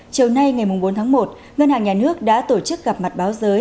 chiều nay ngày bốn tháng một ngân hàng nhà nước đã tổ chức gặp mặt báo giới